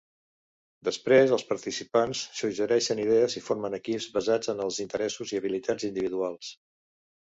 Després els participants suggereixen idees i formen equips, basats en els interessos i habilitats individuals.